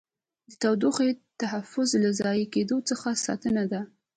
د تودوخې تحفظ له ضایع کېدو څخه ساتنه ده.